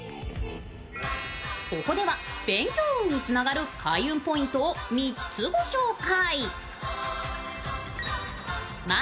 ここでは勉強運につながる開運ポイントを３つ御紹介。